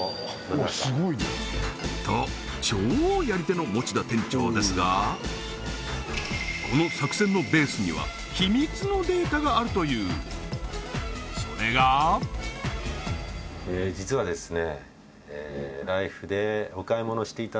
と超やり手の持田店長ですがこの作戦のベースには秘密のデータがあるというそれが実はですね